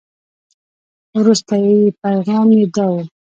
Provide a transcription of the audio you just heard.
وروستي پيغام یې داو.